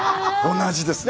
同じですね。